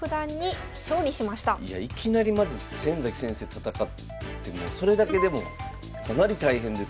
いきなりまず先崎先生と戦うってそれだけでもかなり大変ですけども。